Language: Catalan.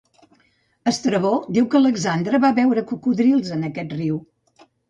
Estrabó diu que Alexandre va veure cocodrils en aquest riu.